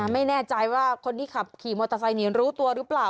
ไม่แน่ใจว่าคนที่ขับขี่มอเตอร์ไซค์หนีรู้ตัวหรือเปล่า